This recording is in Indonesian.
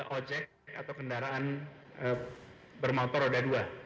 ojek atau kendaraan bermotor roda dua